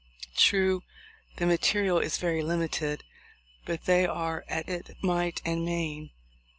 True, the material is very limited, but they are at it might and main.